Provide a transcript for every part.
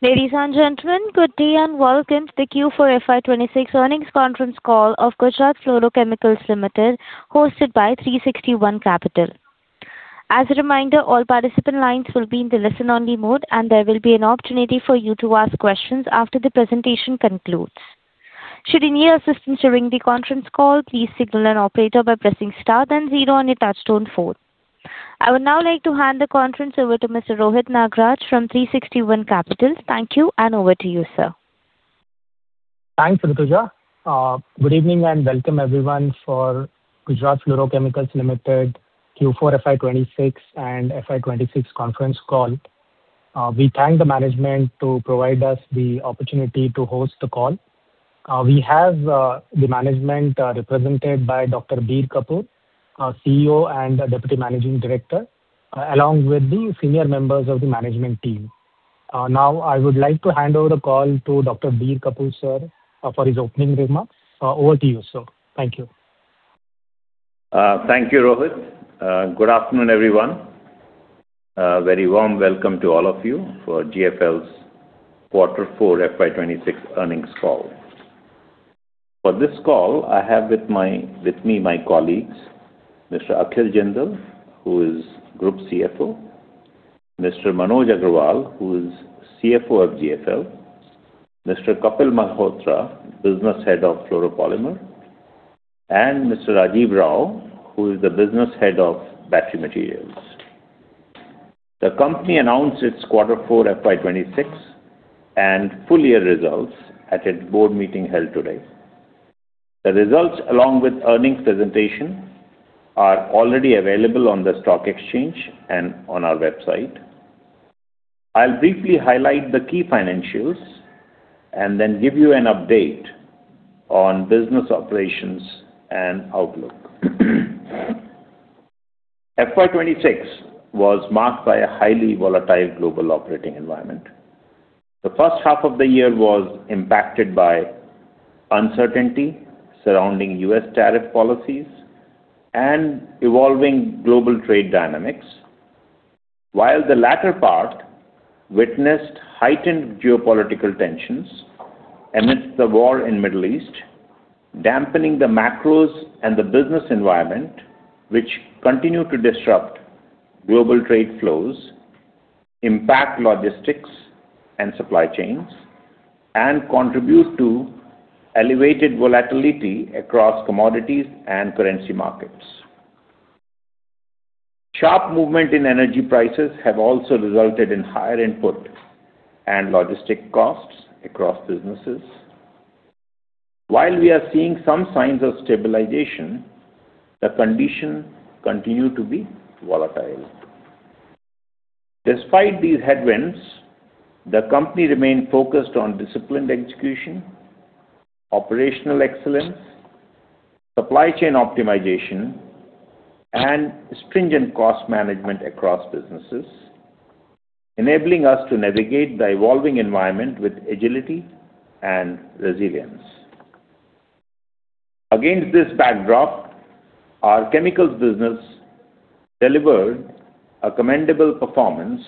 Ladies and gentlemen, good day and welcome to the Q4 FY 2026 earnings conference call of Gujarat Fluorochemicals Limited, hosted by 360 ONE. As a reminder, all participant lines will be in the listen-only mode, there will be an opportunity for you to ask questions after the presentation concludes. Should you need assistance during the conference call, please signal an operator by pressing star then zero on your touchtone phone. I would now like to hand the conference over to Mr. Rohit Nagraj from 360 ONE. Thank you, over to you, sir. Thanks, Pritisha. Good evening and welcome everyone for Gujarat Fluorochemicals Limited Q4 FY 2026 and FY 2026 conference call. We thank the management to provide us the opportunity to host the call. We have the management represented by Dr. Bir Kapoor, our CEO and Deputy Managing Director, along with the senior members of the management team. I would like to hand over the call to Dr. Bir Kapoor, sir, for his opening remarks. Over to you, sir. Thank you. Thank you, Rohit. Good afternoon, everyone. A very warm welcome to all of you for GFL's Quarter Four FY 2026 earnings call. For this call, I have with me my colleagues, Mr. Akhil Jindal, who is Group CFO, Mr. Manoj Agrawal, who is CFO of GFL, Mr. Kapil Malhotra, Business Head of Fluoropolymer, and Mr. Rajiv Rao, who is the Business Head of Battery Materials. The company announced its quarter four FY 2026 and full-year results at its board meeting held today. The results, along with earnings presentation, are already available on the stock exchange and on our website. I'll briefly highlight the key financials and then give you an update on business operations and outlook. FY 2026 was marked by a highly volatile global operating environment. The first half of the year was impacted by uncertainty surrounding U.S. tariff policies and evolving global trade dynamics. While the latter part witnessed heightened geopolitical tensions amidst the war in Middle East, dampening the macros and the business environment, which continue to disrupt global trade flows, impact logistics and supply chains, and contribute to elevated volatility across commodities and currency markets. Sharp movement in energy prices have also resulted in higher input and logistic costs across businesses. While we are seeing some signs of stabilization, the conditions continue to be volatile. Despite these headwinds, the company remained focused on disciplined execution, operational excellence, supply chain optimization, and stringent cost management across businesses, enabling us to navigate the evolving environment with agility and resilience. Against this backdrop, our chemicals business delivered a commendable performance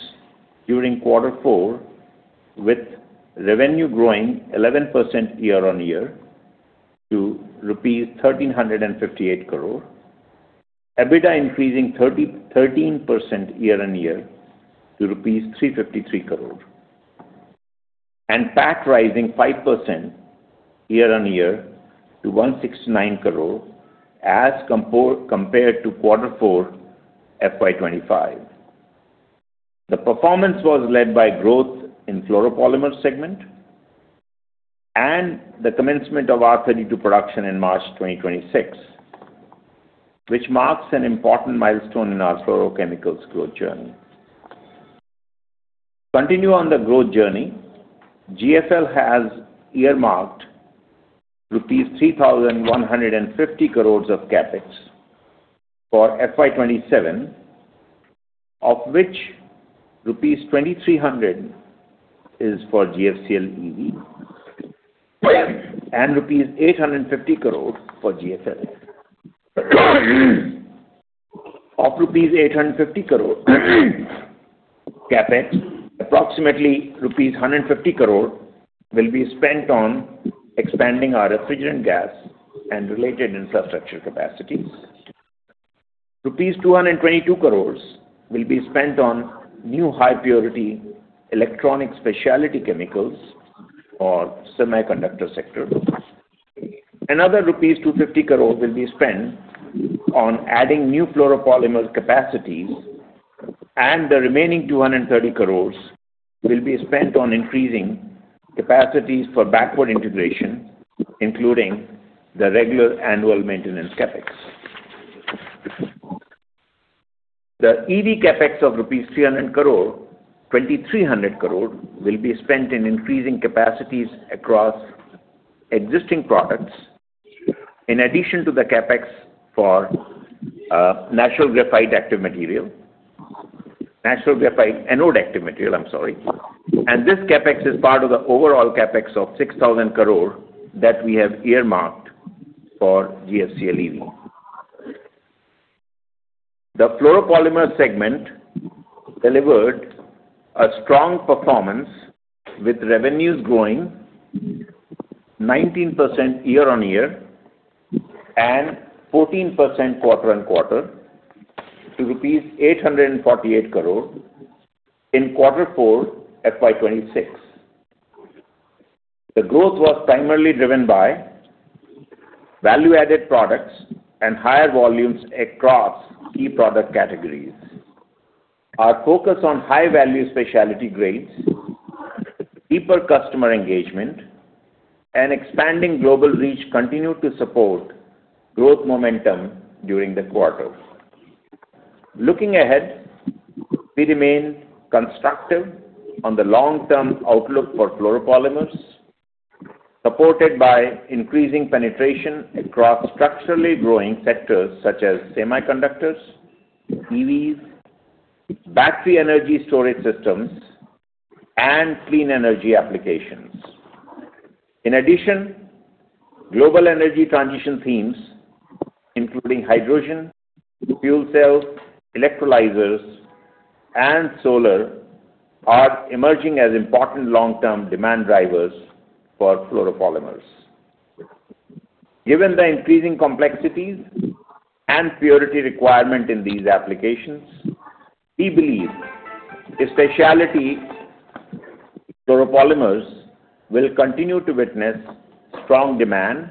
during quarter four, with revenue growing 11% year-on-year to INR 1,358 crore, EBITDA increasing 13% year-on-year to INR 353 crore, and PAT rising 5% year-on-year to 169 crore as compared to quarter four FY 2025. The performance was led by growth in fluoropolymer segment and the commencement of R32 production in March 2026, which marks an important milestone in our fluorochemicals growth journey. Continue on the growth journey, GFL has earmarked rupees 3,150 crore of CapEx for FY 2027, of which rupees 2,300 crore is for GFCL EV and rupees 850 crore for GFL. Of rupees 850 crore CapEx, approximately rupees 150 crore will be spent on expanding our refrigerant gas and related infrastructure capacities. Rupees 222 crore will be spent on new high purity electronic specialty chemicals for semiconductor sector. Another rupees 250 crore will be spent on adding new fluoropolymers capacities. The remaining 230 crore will be spent on increasing capacities for backward integration, including the regular annual maintenance CapEx. The EV CapEx of 2,300 crore will be spent in increasing capacities across existing products, in addition to the CapEx for natural graphite active material. Natural graphite anode active material, I'm sorry. This CapEx is part of the overall CapEx of 6,000 crore that we have earmarked for GFCL EV. The fluoropolymer segment delivered a strong performance with revenues growing 19% year-on-year and 14% quarter-on-quarter to rupees 848 crore in quarter four FY 2026. The growth was primarily driven by value-added products and higher volumes across key product categories. Our focus on high-value specialty grades, deeper customer engagement, and expanding global reach continued to support growth momentum during the quarter. Looking ahead, we remain constructive on the long-term outlook for fluoropolymers, supported by increasing penetration across structurally growing sectors such as semiconductors, EVs, battery energy storage systems, and clean energy applications. In addition, global energy transition themes, including hydrogen, fuel cells, electrolyzers, and solar, are emerging as important long-term demand drivers for fluoropolymers. Given the increasing complexities and purity requirement in these applications, we believe the specialty fluoropolymers will continue to witness strong demand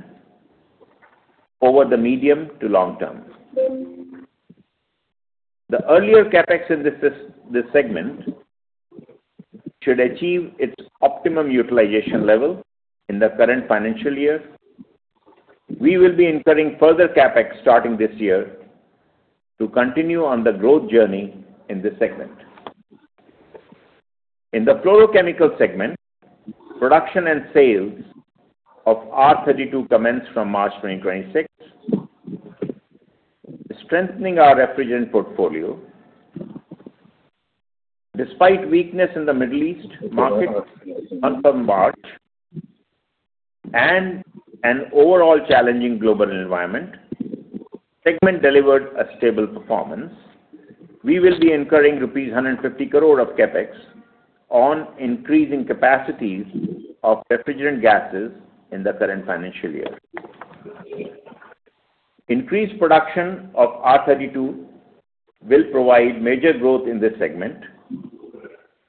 over the medium to long term. The earlier CapEx in this segment should achieve its optimum utilization level in the current financial year. We will be incurring further CapEx starting this year to continue on the growth journey in this segment. In the fluorochemical segment, production and sales of R32 commenced from March 2026, strengthening our refrigerant portfolio. Despite weakness in the Middle East market month-on-month and an overall challenging global environment, segment delivered a stable performance. We will be incurring rupees 150 crore of CapEx on increasing capacities of refrigerant gases in the current financial year. Increased production of R32 will provide major growth in this segment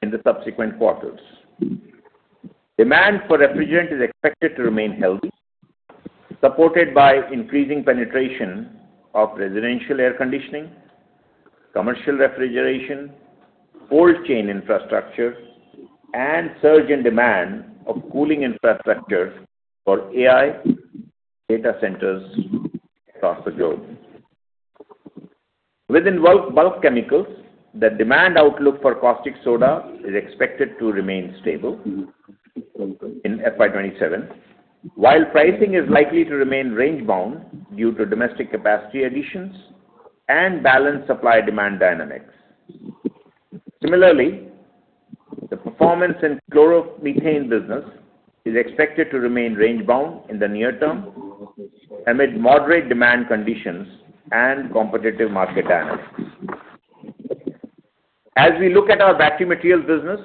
in the subsequent quarters. Demand for refrigerant is expected to remain healthy, supported by increasing penetration of residential air conditioning, commercial refrigeration, cold chain infrastructure, and surge in demand of cooling infrastructure for AI data centers across the globe. Within bulk chemicals, the demand outlook for caustic soda is expected to remain stable in FY 2027, while pricing is likely to remain range-bound due to domestic capacity additions and balanced supply demand dynamics. Similarly, the performance in chloromethane business is expected to remain range-bound in the near term amid moderate demand conditions and competitive market dynamics. As we look at our battery materials business,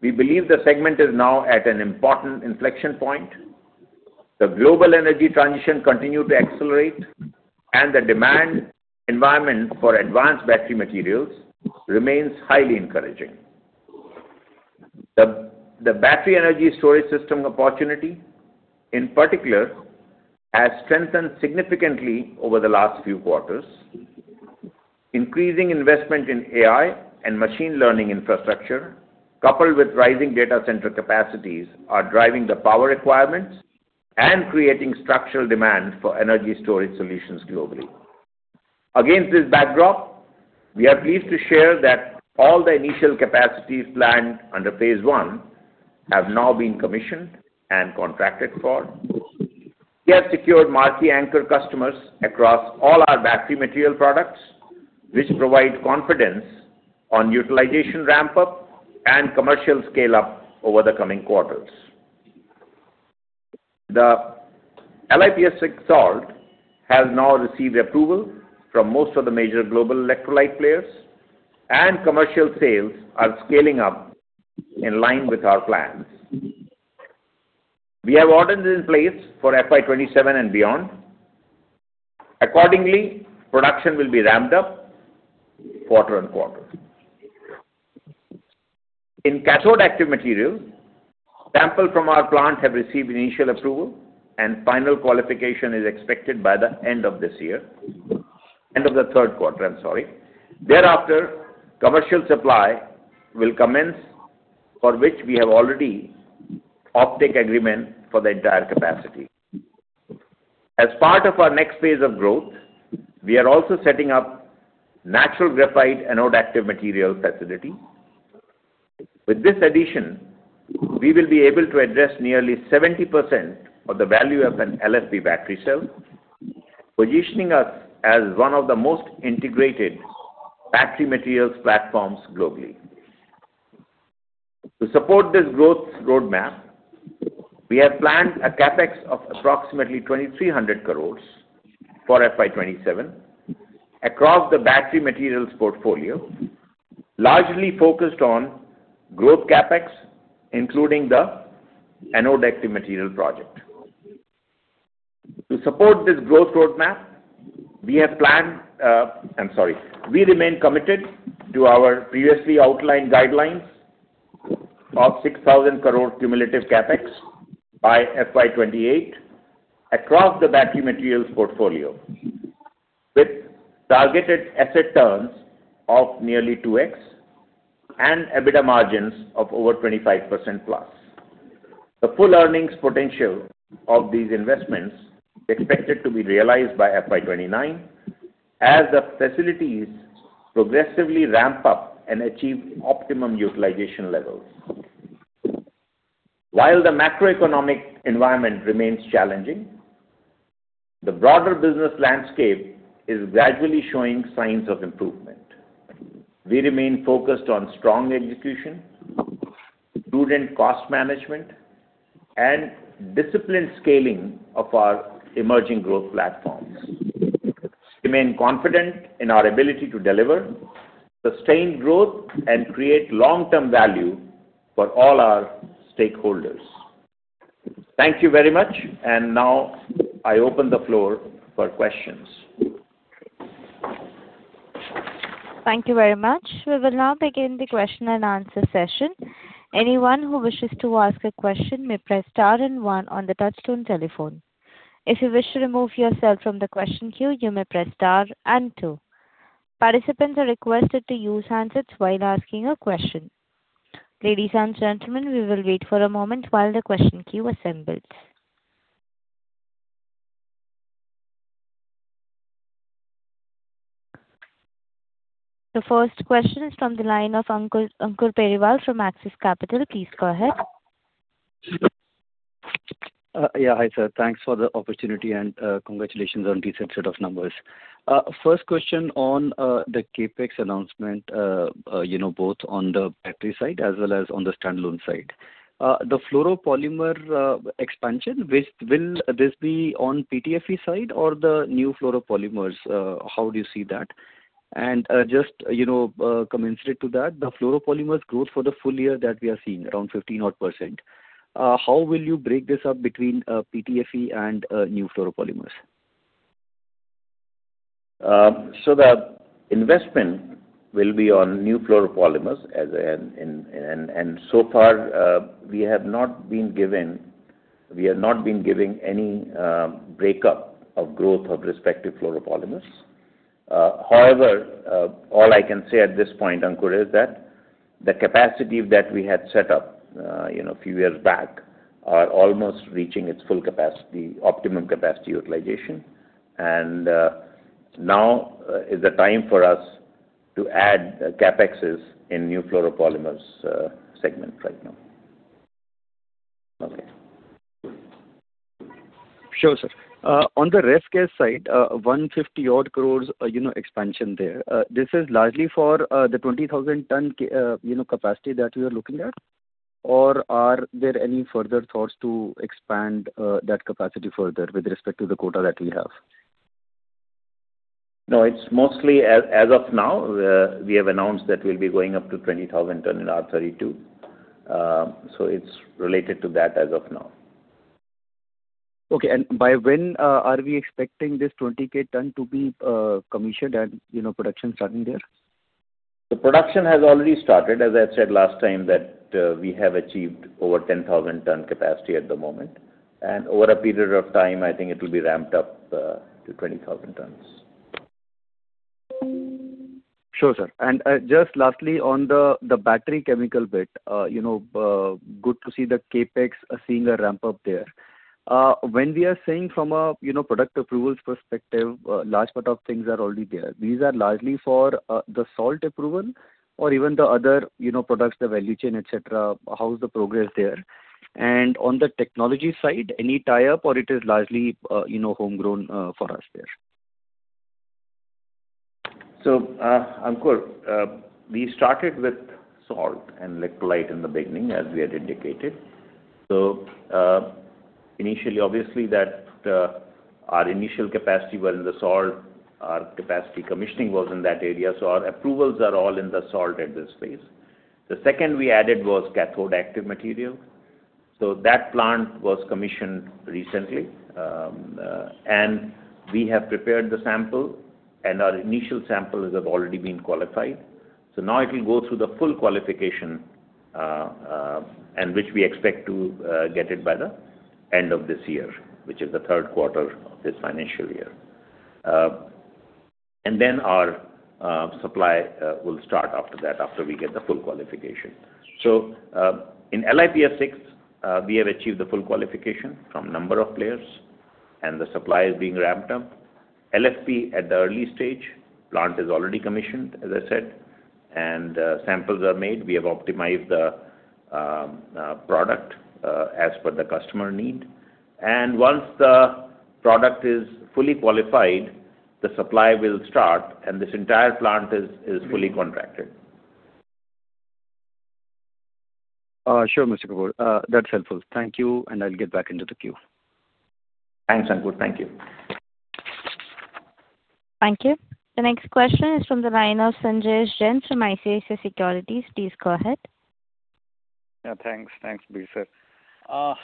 we believe the segment is now at an important inflection point. The global energy transition continued to accelerate and the demand environment for advanced battery materials remains highly encouraging. The battery energy storage system opportunity, in particular, has strengthened significantly over the last few quarters. Increasing investment in AI and machine learning infrastructure, coupled with rising data center capacities, are driving the power requirements and creating structural demand for energy storage solutions globally. Against this backdrop, we are pleased to share that all the initial capacities planned under phase I have now been commissioned and contracted for. We have secured multi-anchor customers across all our battery material products, which provide confidence on utilization ramp-up and commercial scale-up over the coming quarters. The LiPF6 salt has now received approval from most of the major global electrolyte players and commercial sales are scaling up in line with our plans. We have orders in place for FY 2027 and beyond. Production will be ramped up quarter-on-quarter. In cathode active material, samples from our plant have received initial approval, and final qualification is expected by the end of this year. End of the third quarter, I'm sorry. Commercial supply will commence, for which we have already off-take agreement for the entire capacity. As part of our next phase of growth, we are also setting up natural graphite anode active material facility. With this addition, we will be able to address nearly 70% of the value of an LFP battery cell, positioning us as one of the most integrated battery materials platforms globally. To support this growth roadmap, we have planned a CapEx of approximately 2,300 crore for FY 2027 across the battery materials portfolio, largely focused on growth CapEx, including the anode active material project. To support this growth roadmap, we remain committed to our previously outlined guidelines of 6,000 crore cumulative CapEx by FY 2028 across the battery materials portfolio, with targeted asset turns of nearly 2X and EBITDA margins of over 25% plus. The full earnings potential of these investments expected to be realized by FY 2029 as the facilities progressively ramp up and achieve optimum utilization levels. While the macroeconomic environment remains challenging, the broader business landscape is gradually showing signs of improvement. We remain focused on strong execution, prudent cost management, and disciplined scaling of our emerging growth platforms. We remain confident in our ability to deliver sustained growth and create long-term value for all our stakeholders. Thank you very much, and now I open the floor for questions. Thank you very much. We will now begin the question-and-answer session. Anyone who wishes to asked a question may press star and one on touchtone telephone. If you wish to remove yourself from the queue you may press star and two. Participants are requested to use handsets while asking a question. Ladies and gentlemen, we will wait for a moment while the question queue assembles. The first question is from the line of Ankur Periwal from Axis Capital. Please go ahead. Yeah, hi, sir. Thanks for the opportunity, and congratulations on this set of numbers. First question on the CapEx announcement, both on the battery side as well as on the standalone side. The fluoropolymer expansion, will this be on PTFE side or the new fluoropolymers? How do you see that? Just commensurate to that, the fluoropolymers growth for the full year that we are seeing, around 15% odd. How will you break this up between PTFE and new fluoropolymers? That investment will be on new fluoropolymers. So far, we have not been giving any breakup of growth of respective fluoropolymers. However, all I can say at this point, Ankur, is that the capacity that we had set up a few years back are almost reaching its full capacity, optimum capacity utilization. Now is the time for us to add CapExes in new fluoropolymers segment right now. Okay. Sure, sir. On the ref gas side, 150 odd crore expansion there. This is largely for the 20,000 ton capacity that we are looking at? Are there any further thoughts to expand that capacity further with respect to the quota that we have? No, as of now, we have announced that we'll be going up to 20,000 tons in R32. It's related to that as of now. Okay. By when are we expecting this 20,000 ton to be commissioned and production starting there? The production has already started. As I said last time, that we have achieved over 10,000 ton capacity at the moment. Over a period of time, I think it will be ramped up to 20,000 tons. Sure, sir. Just lastly on the battery chemical bit, good to see the CapEx seeing a ramp-up there. When we are saying from a product approvals perspective, a large part of things are already there. These are largely for the salt approval or even the other products, the value chain, et cetera. How is the progress there? On the technology side, any tie-up or it is largely homegrown for us there? Ankur, we started with salt and electrolyte in the beginning, as we had indicated. Initially, obviously, our initial capacity was in the salt. Our capacity commissioning was in that area, so our approvals are all in the salt end of space. The second we added was cathode active material. That plant was commissioned recently, and we have prepared the sample, and our initial samples have already been qualified. Now it will go through the full qualification, and which we expect to get it by the end of this year, which is the third quarter of this financial year. Our supply will start after that, after we get the full qualification. In LiPF6, we have achieved the full qualification from a number of players and the supply is being ramped up. LFP at the early stage, plant is already commissioned, as I said, and samples are made. We have optimized the product as per the customer need. Once the product is fully qualified, the supply will start and this entire plant is fully contracted. Sure, Mr. Kapoor. That's helpful. Thank you, and I'll get back into the queue. Thanks, Ankur. Thank you. Thank you. The next question is from the line of Sanjesh Jain from ICICI Securities. Please go ahead. Thanks. I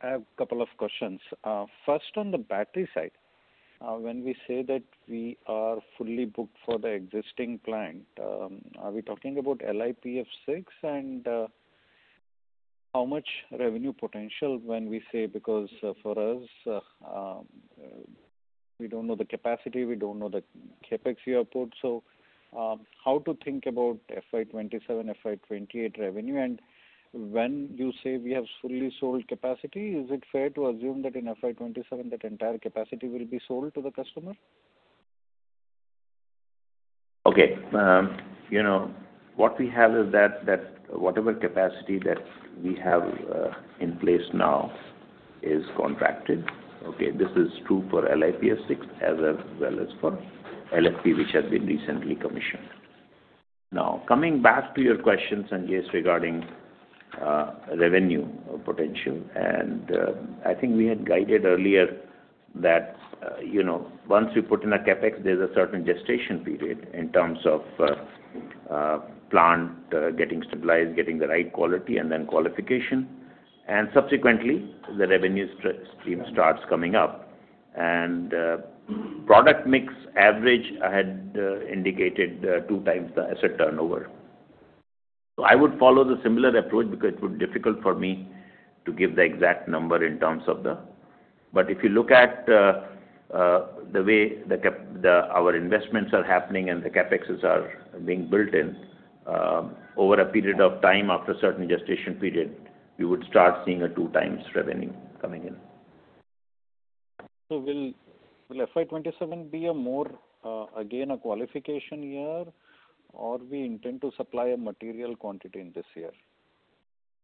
have a couple of questions. First, on the battery side, when we say that we are fully booked for the existing plant, are we talking about LiPF6? How much revenue potential when we say, because for us, we don't know the capacity, we don't know the CapEx you have put. How to think about FY 2027, FY 2028 revenue? When you say we have fully sold capacity, is it fair to assume that in FY 2027 that entire capacity will be sold to the customer? Okay. What we have is that whatever capacity that we have in place now is contracted. Okay. This is true for LiPF6 as well as for LFP, which has been recently commissioned. Coming back to your question, Sanjesh, regarding revenue potential, I think we had guided earlier that once you put in a CapEx, there is a certain gestation period in terms of plant getting stabilized, getting the right quality, and then qualification. Subsequently, the revenue stream starts coming up. Product mix average, I had indicated two times the asset turnover. I would follow the similar approach because it would be difficult for me to give the exact number. If you look at the way our investments are happening and the CapEx are being built in, over a period of time, after a certain gestation period, you would start seeing a two times revenue coming in. Will FY 2027 be again a qualification year, or we intend to supply a material quantity in this year?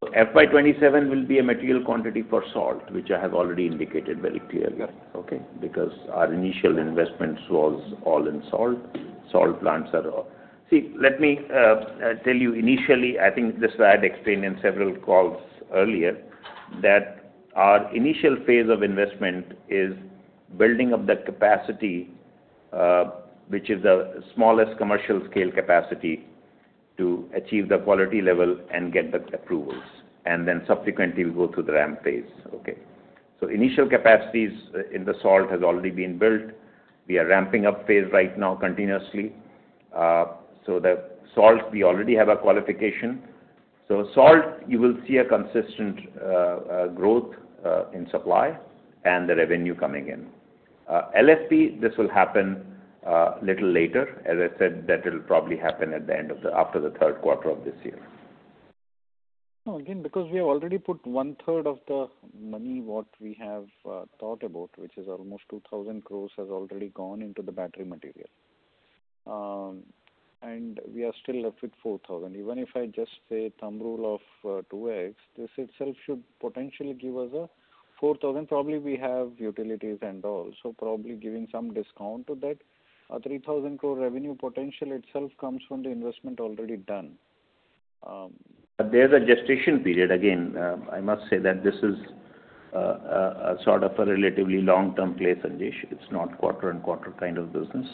FY 2027 will be a material quantity for salt, which I have already indicated very clearly. Okay? Our initial investment was all in salt. Let me tell you initially, I think this I had explained in several calls earlier, that our initial phase of investment is building up that capacity, which is the smallest commercial scale capacity to achieve the quality level and get the approvals, and then subsequently we'll go through the ramp phase. Okay. Initial capacities in the salt has already been built. We are ramping up phase right now continuously. That salt, we already have a qualification. Salt, you will see a consistent growth in supply and the revenue coming in. LFP, this will happen a little later. As I said, that will probably happen after the third quarter of this year. No, again, because we already put one third of the money, what we have thought about, which is almost 2,000 crores has already gone into the battery material. We are still left with 4,000 crores. Even if I just say thumb rule of 2x, this itself should potentially give us a 4,000 crores. Probably, we have utilities and all. Probably giving some discount to that, 3,000 crore revenue potential itself comes from the investment already done. There's a gestation period. Again, I must say that this is a sort of a relatively long-term play, Sanjesh. It's not quarter-and-quarter kind of business.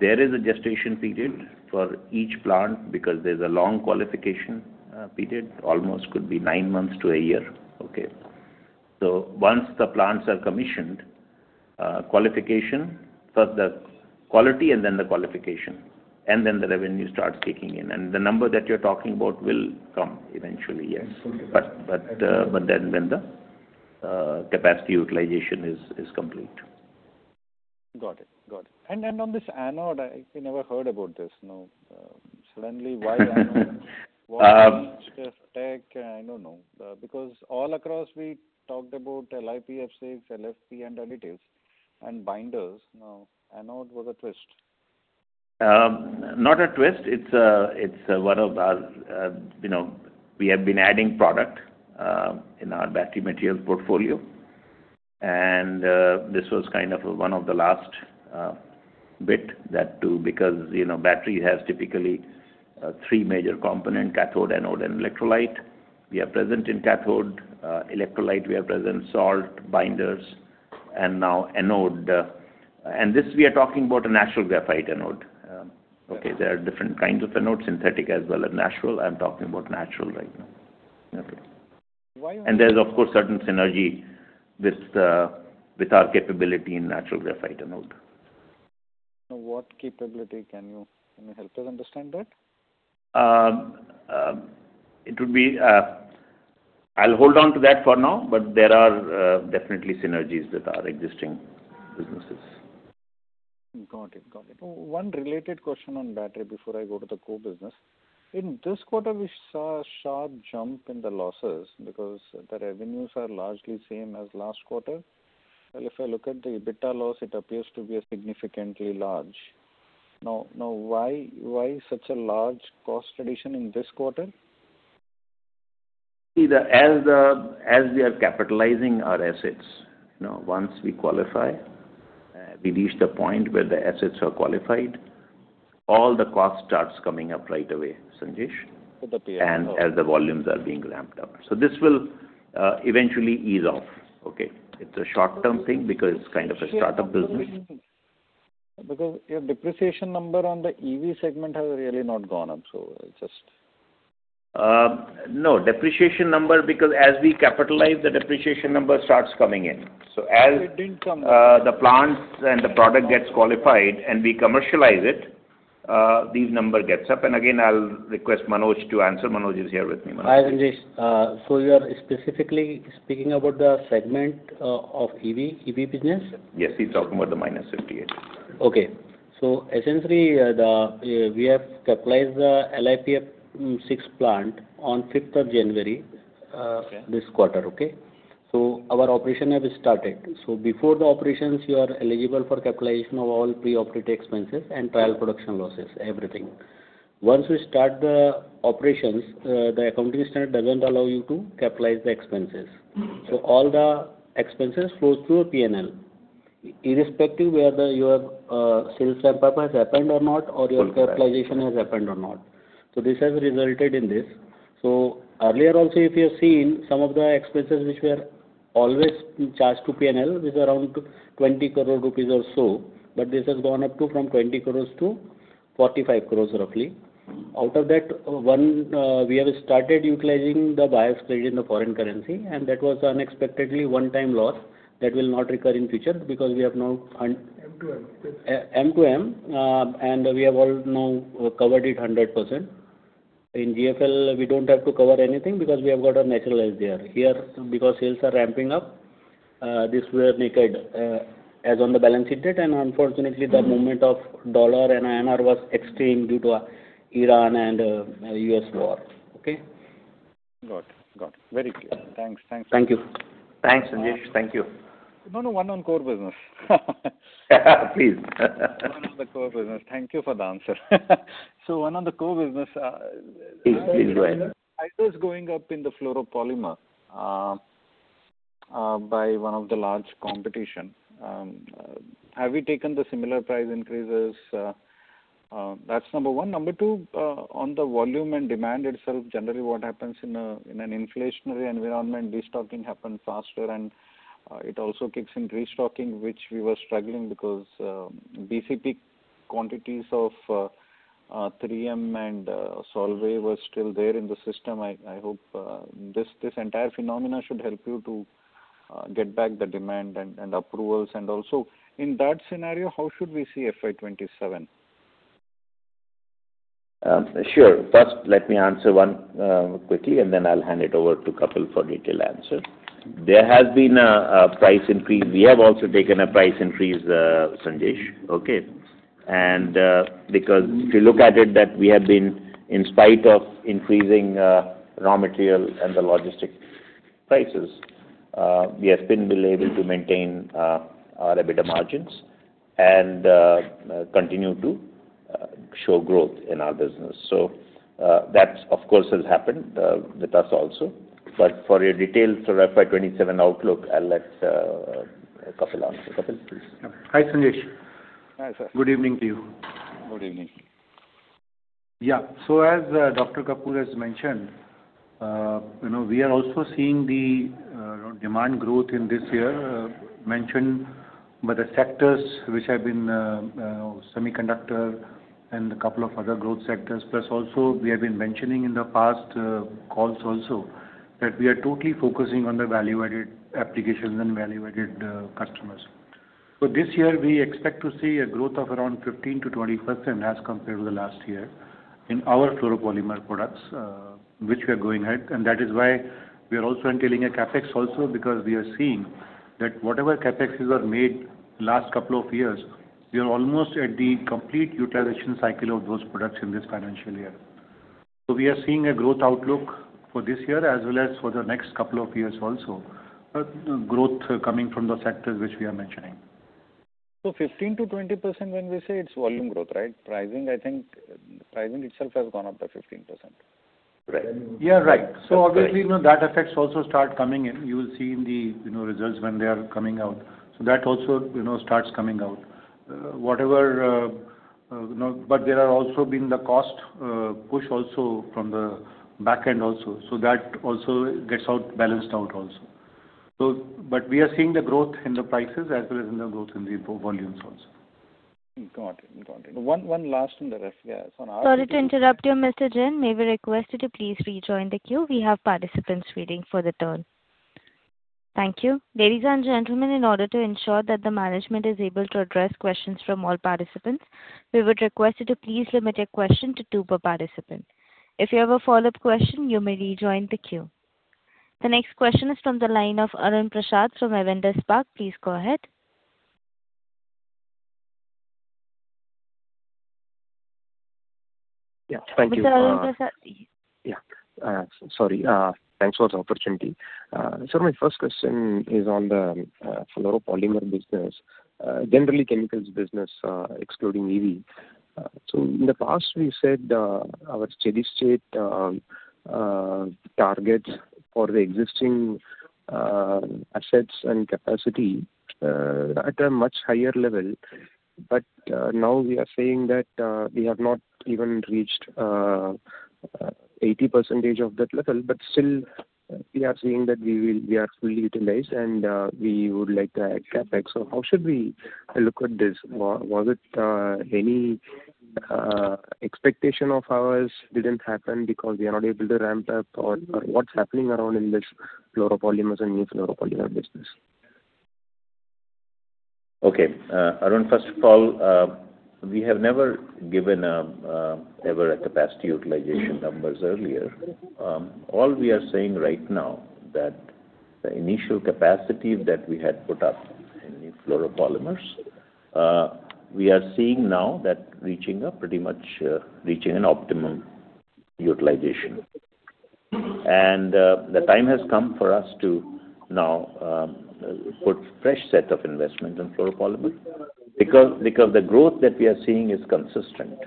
There is a gestation period for each plant because there's a long qualification period, almost could be nine months to a year. Okay. Once the plants are commissioned, quality and then the qualification, and then the revenue starts kicking in. The number that you're talking about will come eventually, yes. Okay. The capacity utilization is complete. Got it. On this anode, I actually never heard about this. Suddenly why anode? Why each tech? I don't know. All across we talked about LiPF6, LFP, and additives and binders. Anode was a twist. Not a twist. We have been adding product in our battery materials portfolio. This was one of the last bit. That too, because battery has typically three major component, cathode, anode, and electrolyte. We are present in cathode. Electrolyte, we are present salt, binders, and now anode. This, we are talking about a natural graphite anode. Okay. There are different kinds of anodes, synthetic as well as natural. I'm talking about natural right now. Why anode? There's, of course, certain synergy with our capability in natural graphite anode. What capability? Can you help us understand that? I'll hold on to that for now, but there are definitely synergies with our existing businesses. Got it. One related question on battery before I go to the core business. In this quarter, we saw a sharp jump in the losses because the revenues are largely same as last quarter. If I look at the EBITDA loss, it appears to be significantly large. Why such a large cost addition in this quarter? As we are capitalizing our assets, once we qualify, we reach the point where the assets are qualified, all the cost starts coming up right away, Sanjesh. Okay As the volumes are being ramped up. This will eventually ease off. Okay? It's a short-term thing because it's kind of a startup business. Your depreciation number on the EV segment has really not gone up. No, depreciation number, because as we capitalize, the depreciation number starts coming in. It didn't come up. As the plants and the product gets qualified and we commercialize it, this number gets up. Again, I'll request Manoj to answer. Manoj is here with me. Hi, Sanjesh. You are specifically speaking about the segment of EV business? Yes, he's talking about the minus EBITDA. Essentially, we have capitalized the LiPF6 plant on 5th of January this quarter. Okay. Our operation has started. Before the operations, you are eligible for capitalization of all pre-operate expenses and trial production losses, everything. Once you start the operations, the accounting standard doesn't allow you to capitalize the expenses. All the expenses flow through a P&L, irrespective whether your sales and profit has happened or not, or your capitalization has happened or not. This has resulted in this. Earlier also, if you have seen some of the expenses which were always charged to P&L, which are around 20 crore rupees or so, but this has gone up from 20 crore to 45 crore roughly. Out of that one, we have started including the buy side in the foreign currency, and that was unexpectedly one-time loss that will not recur in future. M2M. M2M, we have all now covered it 100%. In GFL, we don't have to cover anything because we have got a natural hedge there. Here, because sales are ramping up, these were naked as on the balance sheet date. Unfortunately, the movement of U.S. dollar and INR was extreme due to Iran and U.S. war. Okay. Got it. Very clear. Thanks. Thank you. Thanks, Sanjesh. Thank you. The one on core business. Please. One of the core business. Thank you for the answer. Please go ahead. Prices going up in the fluoropolymer by one of the large competition. Have you taken the similar price increases? That's number one. Number two, on the volume and demand itself, generally what happens in an inflationary environment, destocking happens faster, and it also kicks in restocking, which we were struggling because BCT quantities of 3M and Solvay were still there in the system. I hope this entire phenomena should help you to get back the demand and approvals. Also in that scenario, how should we see FY 2027? Sure. First, let me answer one quickly. Then I'll hand it over to Kapil for detailed answer. There has been a price increase. We have also taken a price increase, Sanjesh. Okay. Because if you look at it that we have been, in spite of increasing raw material and the logistic prices, we have been able to maintain our EBITDA margins and continue to show growth in our business. That of course, will happen with us also. For a detailed sort of FY 2027 outlook, I'll let Kapil answer. Kapil, please. Hi, Sanjesh. Hi, sir. Good evening to you. Good evening. As Dr. Kapoor has mentioned, we are also seeing the demand growth in this year mentioned by the sectors which have been semiconductor and a couple of other growth sectors. Also, we have been mentioning in the past calls also that we are totally focusing on the value-added applications and value-added customers. This year, we expect to see a growth of around 15%-20% as compared to last year in our fluoropolymer products, which we are going ahead. That is why we are also intending a CapEx also because we are seeing that whatever CapExes are made last couple of years, we are almost at the complete utilization cycle of those products in this financial year. We are seeing a growth outlook for this year as well as for the next couple of years also. Growth coming from the sectors which we are mentioning. 15%-20% when we say it's volume growth, right? Pricing itself has gone up by 15%. Correct. Yeah, right. Obviously, that effects also start coming in. You'll see in the results when they are coming out. That also starts coming out. There are also been the cost push also from the back end also. That also gets out balanced out also. We are seeing the growth in the prices as well as in the growth in the volumes also. Got it. One last on the refi- Sorry to interrupt you, Mr. Jain. May we request you to please rejoin the queue. We have participants waiting for the turn. Thank you. Ladies and gentlemen, in order to ensure that the management is able to address questions from all participants, we would request you to please limit your question to two per participant. If you have a follow-up question, you may rejoin the queue. The next question is from the line of Arun Prasath from Avendus Spark. Please go ahead. Yeah. Thank you. Yeah. Sorry. Thanks for the opportunity. My first question is on the fluoropolymer business, generally chemicals business excluding EV. In the past we said our steady state target for the existing assets and capacity at a much higher level. Now we are saying that we have not even reached 80% of that level, but still we are saying that we are fully utilized, and we would like a CapEx. How should we look at this? Was it any expectation of ours didn't happen because we are not able to ramp up? What's happening around in this fluoropolymers and new fluoropolymer business? Okay. Arun, first of all, we have never given ever a capacity utilization numbers earlier. All we are saying right now that the initial capacity that we had put up in fluoropolymers, we are seeing now that reaching a pretty much optimum utilization. The time has come for us to now put fresh set of investments in fluoropolymers because the growth that we are seeing is consistent.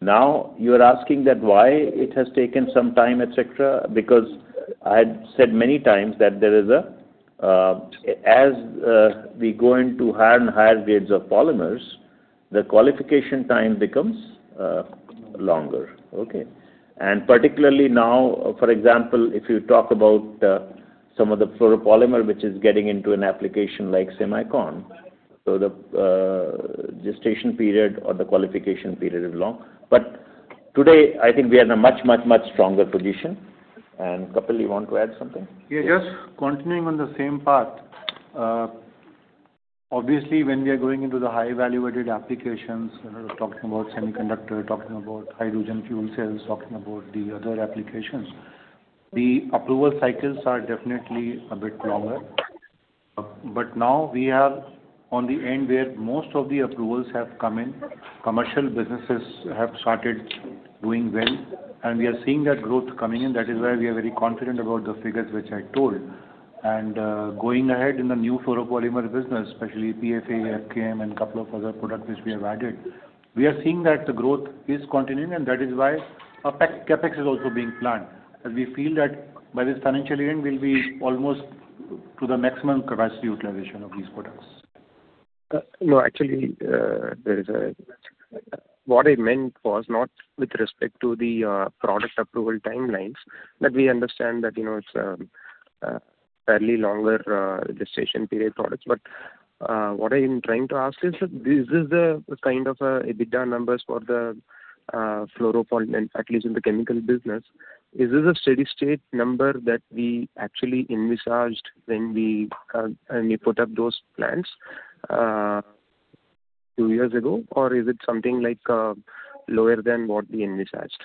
Now, you're asking that why it has taken some time, et cetera, because I've said many times that as we go into higher and higher grades of polymers, the qualification time becomes longer. Okay. Particularly now, for example, if you talk about some of the fluoropolymer which is getting into an application like semicon, so the gestation period or the qualification period is long. Today, I think we are in a much, much, much stronger position. Kapil, you want to add something? Yes. Continuing on the same path. Obviously, when we are going into the high-value-added applications, talking about semiconductor, talking about hydrogen fuel cells, talking about the other applications, the approval cycles are definitely a bit longer. Now we are on the end where most of the approvals have come in. Commercial businesses have started doing well, and we are seeing that growth coming in. That is why we are very confident about the figures which I told. Going ahead in the new fluoropolymer business, especially PFA, FKM, and a couple of other products which we have added, we are seeing that the growth is continuing, and that is why CapEx is also being planned. We feel that by this financial year, we'll be almost to the maximum capacity utilization of these products. No, actually, what I meant was not with respect to the product approval timelines. We understand that it's a fairly longer gestation period products. What I'm trying to ask is, this is the kind of EBITDA numbers for the fluoropolymer, at least in the chemical business. Is this a steady state number that we actually envisaged when we put up those plants two years ago? Is it something lower than what we envisaged?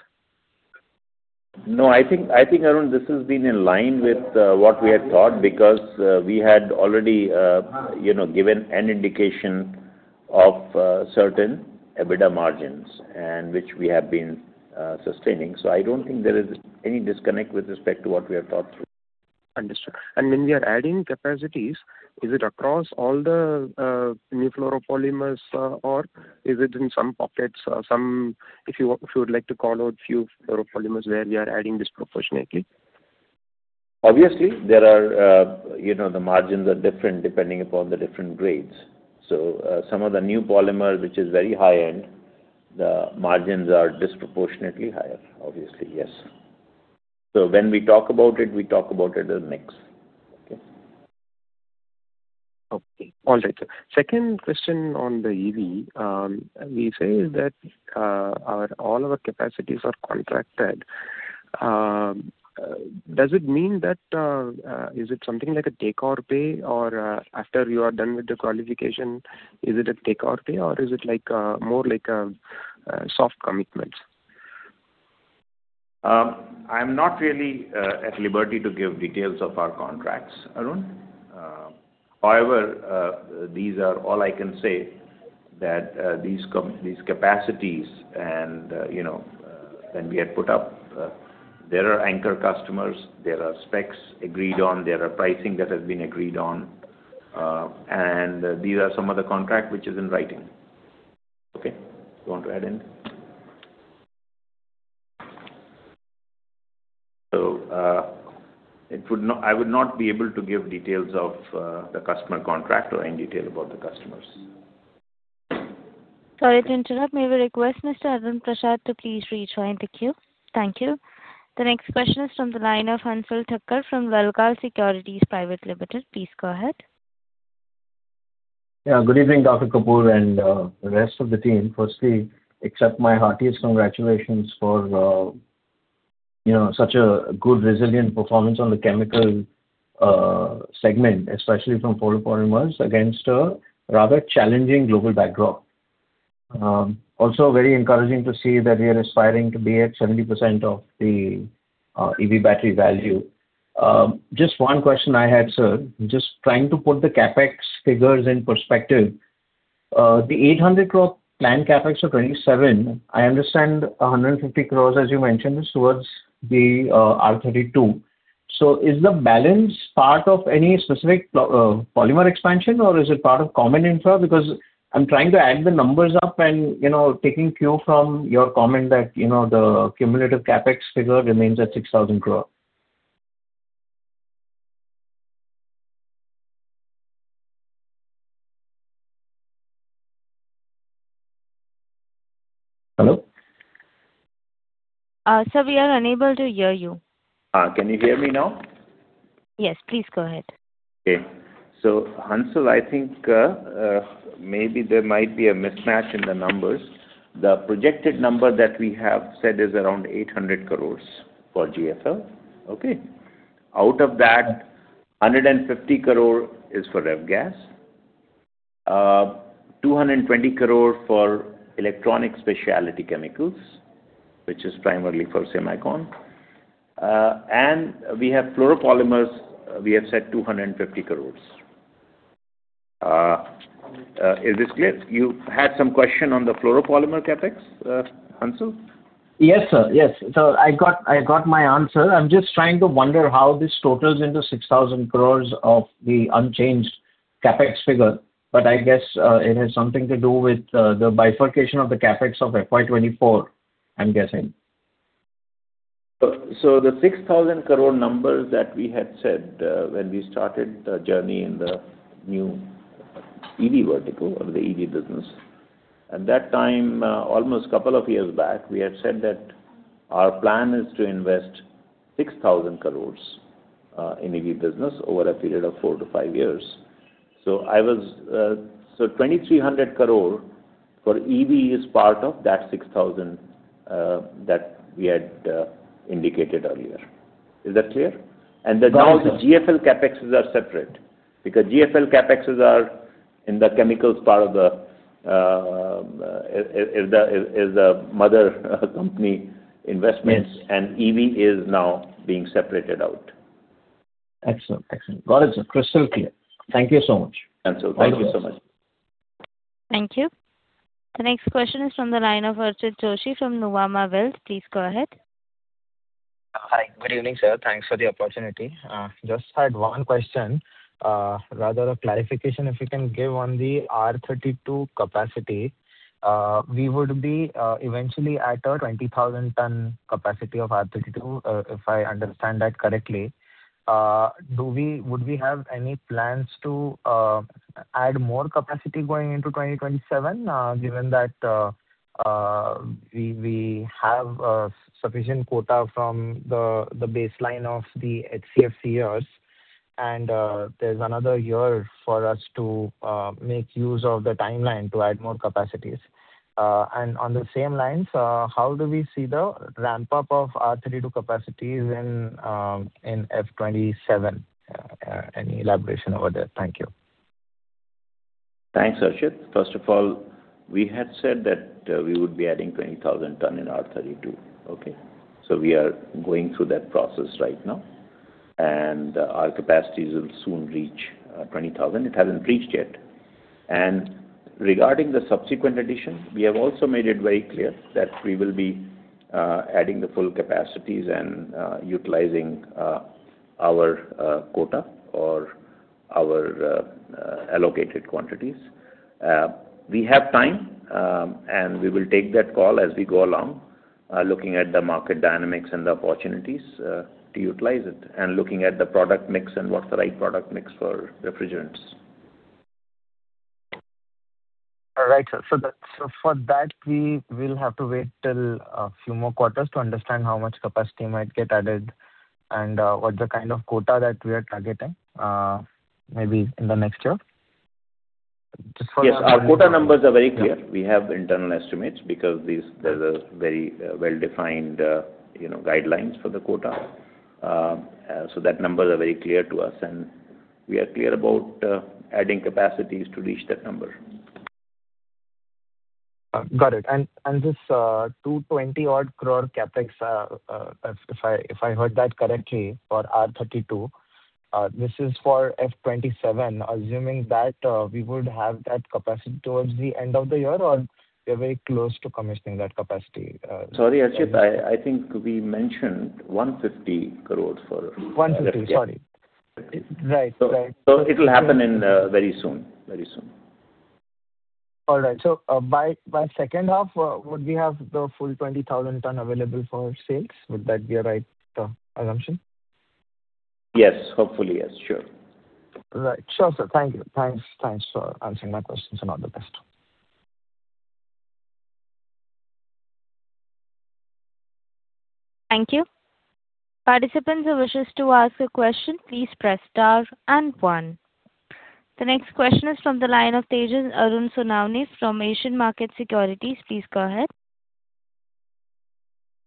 I think, Arun, this has been in line with what we had thought because we had already given an indication of certain EBITDA margins and which we have been sustaining. I don't think there is any disconnect with respect to what we have thought through. Understood. When we are adding capacities, is it across all the new fluoropolymers, or is it in some pockets? If you would like to call out few fluoropolymers where we are adding disproportionately. Obviously, the margins are different depending upon the different grades. Some of the new polymer, which is very high-end, the margins are disproportionately higher, obviously, yes. When we talk about it, we talk about it as mix. Okay. Okay. All right, sir. Second question on the EV. We say that all our capacities are contracted. Does it mean that is it something like a take or pay or after you are done with the qualification, is it a take or pay or is it more like a soft commitment? I'm not really at liberty to give details of our contracts, Arun. These are all I can say, that these capacities and when we had put up, there are anchor customers, there are specs agreed on, there are pricing that has been agreed on, and these are some of the contract which is in writing. Okay? You want to add in? I would not be able to give details of the customer contract or any detail about the customers. Sorry to interrupt. May I request Mr. Arun Prasath to please rejoin the queue. Thank you. The next question is from the line of Anshul Thakkar from Lalkar Securities Private Limited. Please go ahead. Yeah. Good evening, Dr. Kapoor and the rest of the team. Firstly, accept my heartiest congratulations for such a good resilient performance on the chemical segment, especially from fluoropolymers against a rather challenging global backdrop. Very encouraging to see that we are aspiring to be at 70% of the EV battery value. Just one question I had, sir. Just trying to put the CapEx figures in perspective. The 800 crore planned CapEx for 2027, I understand 150 crores, as you mentioned, is towards the R32. Is the balance part of any specific polymer expansion or is it part of common infra? I'm trying to add the numbers up and taking cue from your comment that the cumulative CapEx figure remains at 6,000 crore. Hello? Sir, we are unable to hear you. Can you hear me now? Yes. Please go ahead. Anshul, I think maybe there might be a mismatch in the numbers. The projected number that we have said is around 800 crores for GFL. Out of that, 150 crore is for ref gas, 220 crore for electronic specialty chemicals, which is primarily for SEMICON. We have fluoropolymers, we have said 250 crores. Is this clear? You had some question on the fluoropolymer CapEx, Anshul? Yes, sir. I got my answer. I'm just trying to wonder how this totals into 6,000 crores of the unchanged CapEx figure. I guess it has something to do with the bifurcation of the CapEx of FY 2024, I'm guessing. The 6,000 crore numbers that we had said when we started the journey in the new EV vertical or the EV business. At that time, almost couple of years back, we had said that our plan is to invest 6,000 crores in EV business over a period of 4-5 years. 2,300 crore for EV is part of that 6,000 that we had indicated earlier. Is that clear? Got it, sir. The GFL CapExes are separate because GFL CapExes are in the chemicals part of the mother company investments, and EV is now being separated out. Excellent. Got it, sir. Crystal clear. Thank you so much. Thank you so much. Thank you so much. Thank you. The next question is from the line of Archit Joshi from Nuvama Wealth. Please go ahead. Hi, good evening, sir. Thanks for the opportunity. Just had one question, rather a clarification if you can give on the R32 capacity. We would be eventually at a 20,000 tonne capacity of R32, if I understand that correctly. Would we have any plans to add more capacity going into 2027, given that we have sufficient quota from the baseline of the HFC years, and there’s another year for us to make use of the timeline to add more capacities? On the same lines, how do we see the ramp-up of R32 capacities in FY 2027? Any elaboration over there? Thank you. Thanks, Archit. First of all, we had said that we would be adding 20,000 tonne in R32. We are going through that process right now, and our capacities will soon reach 20,000. It hasn't reached yet. Regarding the subsequent addition, we have also made it very clear that we will be adding the full capacities and utilizing our quota or our allocated quantities. We have time, and we will take that call as we go along, looking at the market dynamics and the opportunities to utilize it, and looking at the product mix and what's the right product mix for refrigerants. All right, sir. For that, we will have to wait till a few more quarters to understand how much capacity might get added and what the kind of quota that we are targeting, maybe in the next year. Yes. Our quota numbers are very clear. We have internal estimates because there's a very well-defined guidelines for the quota. That number are very clear to us, and we are clear about adding capacities to reach that number. This 220 odd crore CapEx, if I heard that correctly, for R32, this is for FY 2027, assuming that we would have that capacity towards the end of the year, or we are very close to commissioning that capacity. Sorry, Archit, I think we mentioned 150 crores for- 150. Sorry. Right. It will happen very soon. All right. By second half, would we have the full 20,000 ton available for sales? Would that be a right assumption? Yes. Hopefully, yes. Sure. Right. Sure, sir. Thank you. Thanks for answering my questions and all the best. Thank you. Participants who wishes to ask a question, please press star and one. The next question is from the line of Tejas Arun Sonawane from Asian Market Securities. Please go ahead.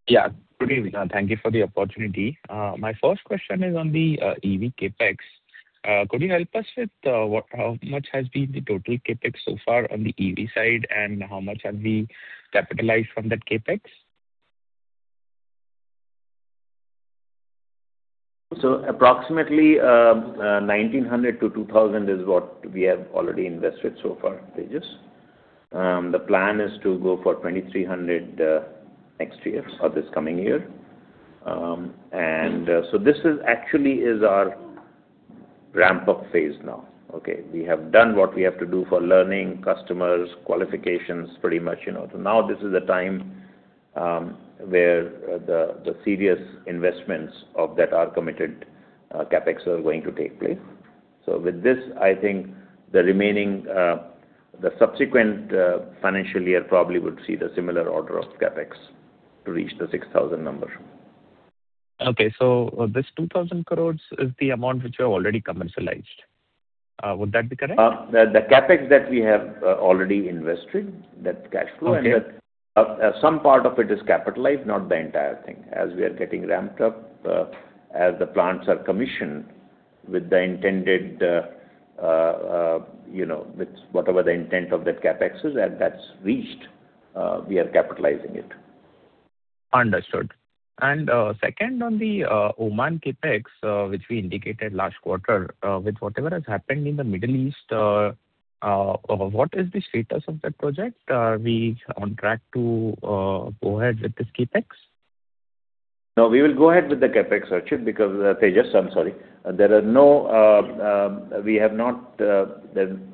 Yeah, good evening. Thank you for the opportunity. My first question is on the EV CapEx. Could you help us with how much has been the total CapEx so far on the EV side, and how much have we capitalized from that CapEx? Approximately 1,900-2,000 is what we have already invested so far, Tejas. The plan is to go for 2,300 next year, for this coming year. This is actually our ramp-up phase now. Okay. We have done what we have to do for learning, customers, qualifications, pretty much. Now this is the time where the serious investments that are committed CapEx are going to take place. With this, I think the subsequent financial year probably would see the similar order of CapEx to reach the 6,000 number. This 2,000 crore is the amount which you have already commercialized. Would that be correct? The CapEx that we have already invested, that cash flow- Okay Some part of it is capitalized, not the entire thing. As we are getting ramped up, as the plants are commissioned with whatever the intent of that CapEx is, and that's reached, we are capitalizing it. Understood. Second on the Oman CapEx, which we indicated last quarter. With whatever has happened in the Middle East, what is the status of that project? Are we on track to go ahead with this CapEx? No, we will go ahead with the CapEx, Tejas. There's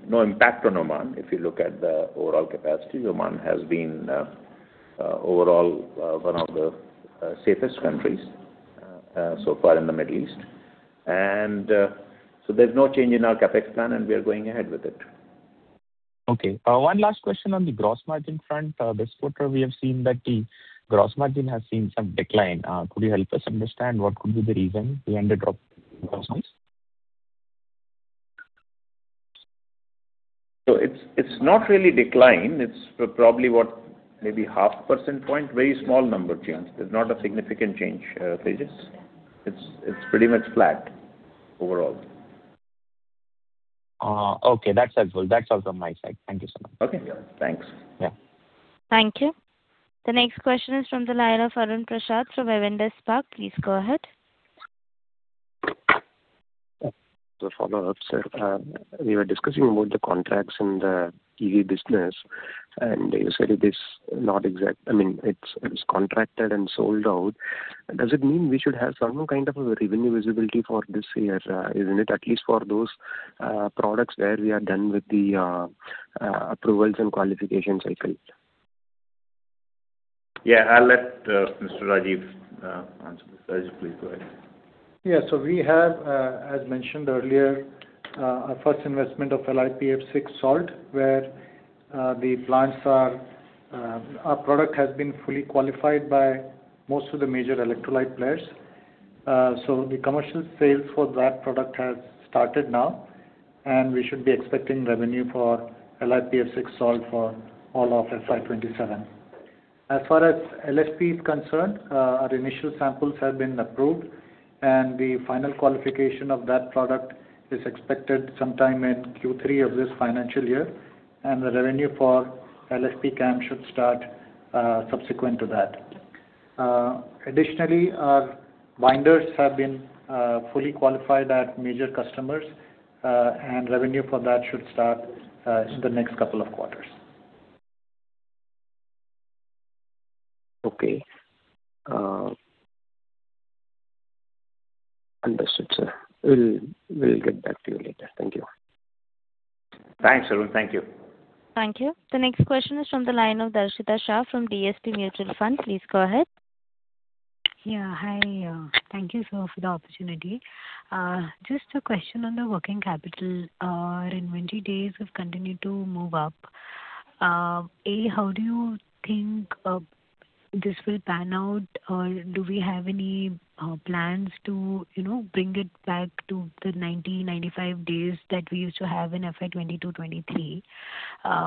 no impact on Oman. If you look at the overall capacity, Oman has been overall one of the safest countries so far in the Middle East. There's no change in our CapEx plan, and we are going ahead with it. Okay. One last question on the gross margin front. This quarter, we have seen that the gross margin has seen some decline. Could you help us understand what could be the reason behind the drop in gross margin? It's not really declined. It's probably maybe half a percent point, very small number change. There's not a significant change, Tejas. It's pretty much flat overall. Okay. That's helpful. That's all from my side. Thank you so much. Okay. Thanks. Yeah. Thank you. The next question is from the line of Arun Prasath from Avendus Spark. Please go ahead. Follow-up, sir. You were discussing about the contracts in the EV business, and you said it is contracted and sold out. Does it mean we should have some kind of a revenue visibility for this year? Isn't it at least for those products where we are done with the approvals and qualification cycle? Yeah, I'll let Mr. Rajiv answer this. Rajiv, please go ahead. We have, as mentioned earlier, our first investment of LiPF6 salt where our product has been fully qualified by most of the major electrolyte players. The commercial sales for that product has started now, and we should be expecting revenue for LiPF6 salt for all of FY 2027. As far as LFP is concerned, our initial samples have been approved, and the final qualification of that product is expected sometime in Q3 of this financial year, and the revenue for LFP CAM should start subsequent to that. Additionally, our binders have been fully qualified at major customers, and revenue for that should start in the next couple of quarters. Okay. Understood, sir. We'll get back to you later. Thank you. Thanks, Arun. Thank you. Thank you. The next question is from the line of Darshita Shah from DSP Mutual Fund. Please go ahead. Hi. Thank you so much for the opportunity. Just a question on the working capital. Inventory days have continued to move up. How do you think this will pan out? Do we have any plans to bring it back to the 90, 95 days that we used to have in FY 2022, FY 2023?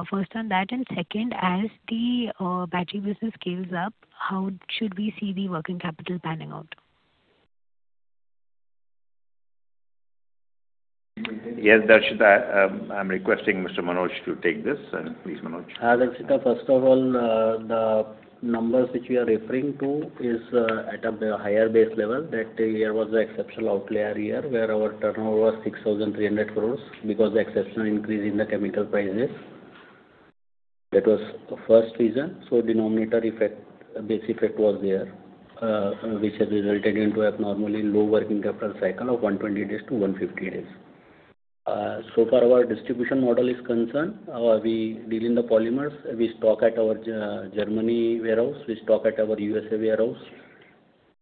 First on that, second, as the battery business scales up, how should we see the working capital panning out? Yes, Darshita. I'm requesting Mr. Manoj to take this. Please, Manoj. Darshita, first of all, the numbers which you are referring to is at a higher base level. That year was the exceptional outlier year where our turnover was 6,300 crore because of the exceptional increase in the chemical prices. That was the first reason. Denominator effect, base effect was there, which has resulted in abnormally low working capital cycle of 120 days to 150 days. Far our distribution model is concerned, within the polymers, we stock at our Germany warehouse, we stock at our USA warehouse,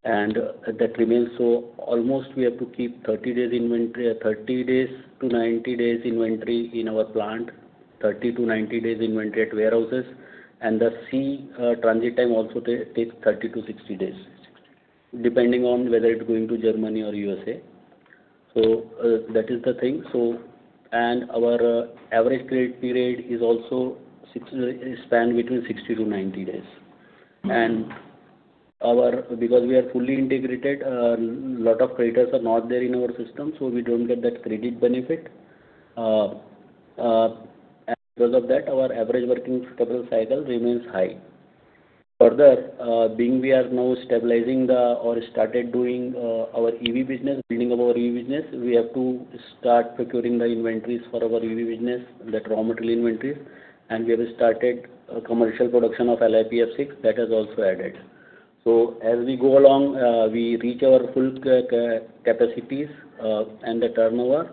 and that remains. Almost we have to keep 30 days to 90 days inventory in our plant, 30 to 90 days inventory at warehouses, and the sea transit time also takes 30 to 60 days, depending on whether it's going to Germany or USA. That is the thing. Our average credit period span between 60 to 90 days. Because we are fully integrated, a lot of creditors are not there in our system, so we don't get that credit benefit. Because of that, our average working capital cycle remains high. Further, being we are now stabilizing or started doing our EV business, building our EV business, we have to start procuring the inventories for our EV business, the raw material inventories, and we have started commercial production of LiPF6. That has also added. As we go along, we reach our full capacities and the turnover,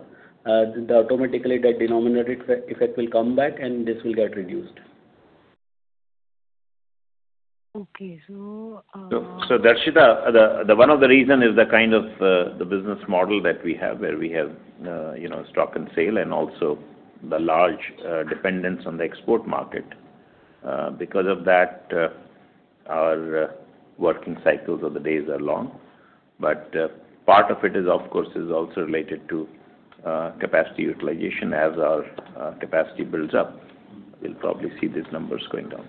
automatically the denominator effect will come back and this will get reduced. Okay. Darshita, one of the reason is the kind of the business model that we have, where we have stock and sale and also the large dependence on the export market. Because of that, our working cycles of the days are long, but part of it is of course also related to capacity utilization. As our capacity builds up, we'll probably see these numbers going down.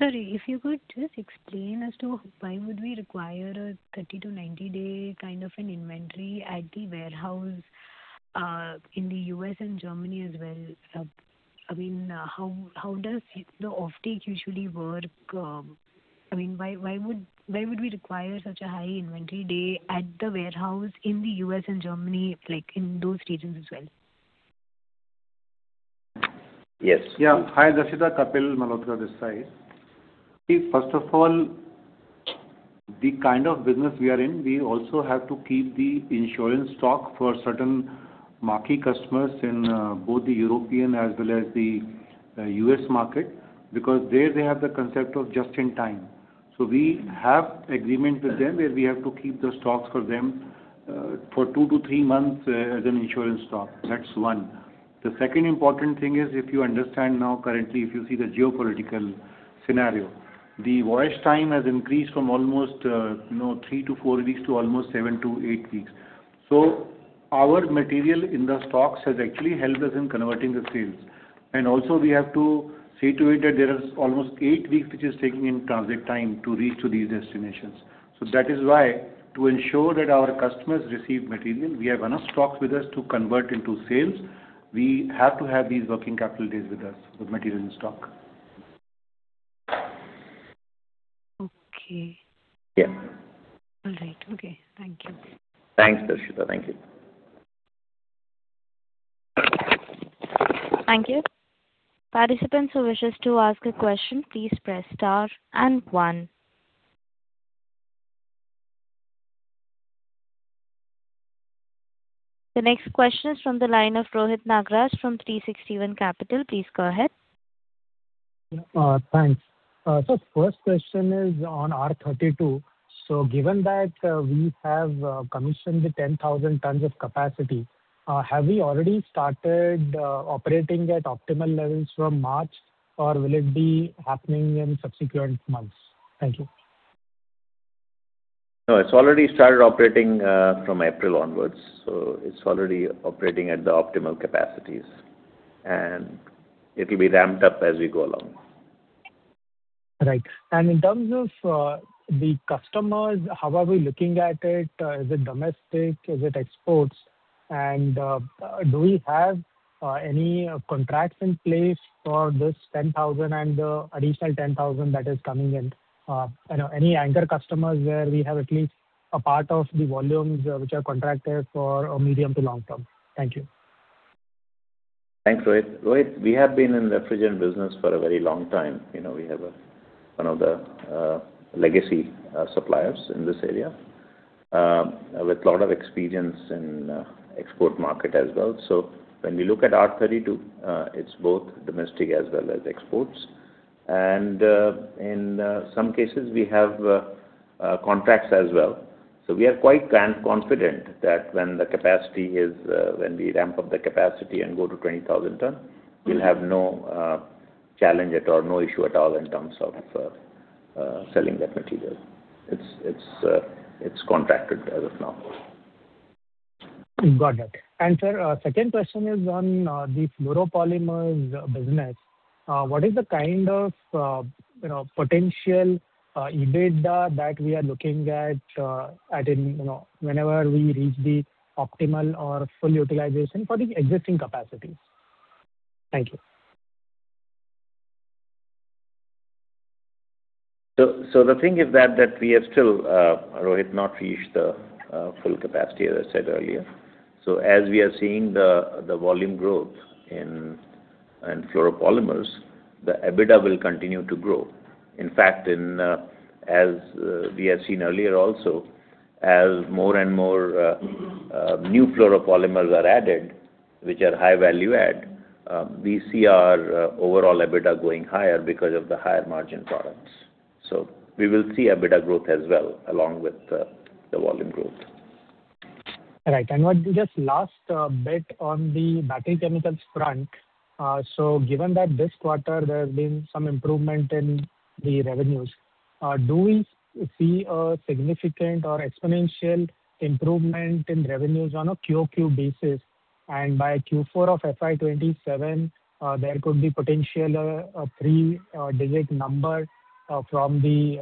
Sir, if you could just explain as to why would we require a 30-90 day kind of an inventory at the warehouse in the U.S. and Germany as well. How does the offtake usually work? Why would we require such a high inventory day at the warehouse in the U.S. and Germany, like in those regions as well? Yes. Yeah. Hi, Darshita. Kapil Malhotra this side. See, first of all, the kind of business we are in, we also have to keep the insurance stock for certain marquee customers in both the European as well as the U.S. market because there they have the concept of just in time. We have agreement with them that we have to keep the stocks for them for two to three months as an insurance stock. That's one. The second important thing is if you understand now currently if you see the geopolitical scenario, the voyage time has increased from almost three to four weeks to almost seven to eight weeks. Our material in the stocks has actually helped us in converting the sales. Also we have to see to it that there is almost eight weeks which is taking in transit time to reach to these destinations. That is why to ensure that our customers receive material, we have enough stocks with us to convert into sales. We have to have these working capital days with us for material in stock. Okay. Yeah. All right. Okay. Thank you. Thanks, Darshita. Thank you. Thank you. Participants who wishes to ask a question, please press star and one. The next question is from the line of Rohit Nagraj from 360 ONE Capital. Please go ahead. Thanks. First question is on R32. Given that we have commissioned the 10,000 tons of capacity, have we already started operating at optimal levels from March or will it be happening in subsequent months? Thank you. No, it's already started operating from April onward, so it's already operating at the optimal capacities and it'll be ramped up as we go along. Right. In terms of the customers, how are we looking at it? Is it domestic? Is it exports? Do we have any contracts in place for this 10,000 and the additional 10,000 that is coming in? Any anchor customers where we have at least a part of the volumes which are contracted for medium to long-term? Thank you. Thanks, Rohit. Rohit, we have been in refrigerant business for a very long time. We are one of the legacy suppliers in this area, with lot of experience in export market as well. When we look at R32, it's both domestic as well as exports. In some cases we have contracts as well. We are quite confident that when we ramp up the capacity and go to 20,000 tons, we'll have no challenge at all, no issue at all in terms of selling that material. It's contracted as of now. Got it. Sir, second question is on the fluoropolymers business. What is the kind of potential EBITDA that we are looking at whenever we reach the optimal or full utilization for the existing capacity? Thank you. The thing is that we have still, Rohit, not reached the full capacity as I said earlier. As we are seeing the volume growth in fluoropolymers, the EBITDA will continue to grow. In fact, as we have seen earlier also, as more and more new fluoropolymers are added, which are high value add, we see our overall EBITDA going higher because of the higher margin products. We will see EBITDA growth as well along with the volume growth. Right. Maybe just last bit on the battery chemicals front. Given that this quarter there has been some improvement in the revenues, do we see a significant or exponential improvement in revenues on a QoQ basis? By Q4 of FY 2027, there could be potential a three-digit number from the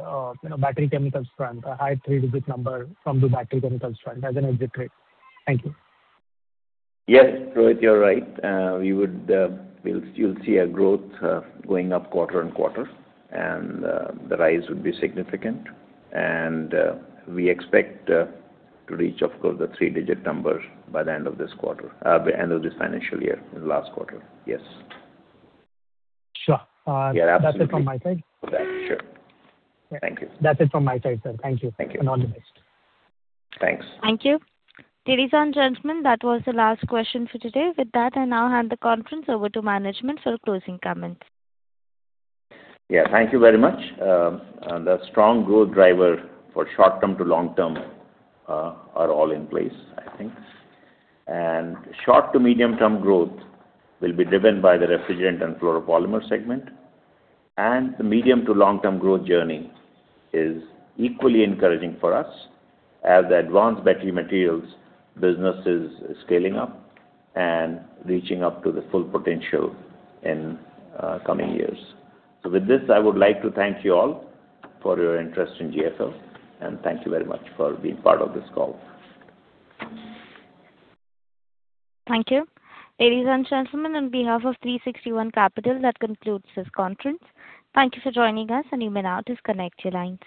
battery chemicals front, a high three-digit number from the battery chemicals front as an exit rate. Thank you. Yes, Rohit, you're right. You'll see a growth going up quarter-on-quarter and the rise will be significant and we expect to reach, of course, the three-digit number by the end of this financial year in the last quarter. Yes. Sure. Yeah, absolutely. That's it from my side. Sure. Thank you. That's it from my side, sir. Thank you. Thank you. All the best. Thanks. Thank you. Ladies and gentlemen, that was the last question for today. With that I now hand the conference over to management for closing comments. Thank you very much. The strong growth driver for short-term to long-term are all in place, I think. Short to medium-term growth will be driven by the refrigerant and fluoropolymer segment and the medium to long-term growth journey is equally encouraging for us as the advanced battery materials business is scaling up and reaching up to the full potential in coming years. With this, I would like to thank you all for your interest in GFL and thank you very much for being part of this call. Thank you. Ladies and gentlemen, on behalf of 360 ONE Capital, that concludes this conference. Thank you for joining us and you may now disconnect your lines.